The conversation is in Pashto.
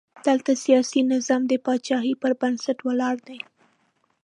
دلته سیاسي نظام د پاچاهۍ پر بنسټ ولاړ دی.